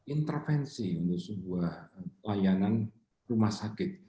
intervensi untuk sebuah layanan rumah sakit